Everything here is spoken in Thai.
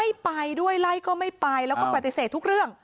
ไม่ไปด้วยไล่ก็ไม่ไปแล้วก็ปฏิเสธทุกเรื่อง